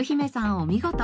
お見事。